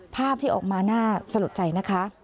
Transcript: ภาพที่ออกมาน่าสะลดใจนะคะ